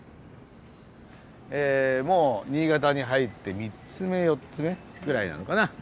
もう新潟に入って３つ目４つ目ぐらいなのかな。